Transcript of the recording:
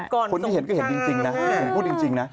ก่อนต้นนี้ที่เห็นก็เห็นจริงนะพี่รู้จักนะฮะน่าสงสารนี่